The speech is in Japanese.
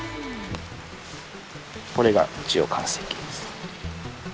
これが一応完成形です。